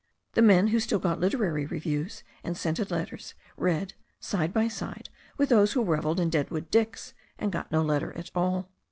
The men who still got literary reviews and scented letters read side by side with those who revelled in Deadwood Dicks and got no letters at all.